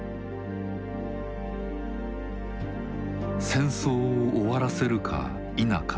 戦争を終わらせるか否か。